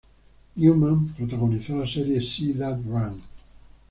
Newman protagonizó la serie "See Dad Run".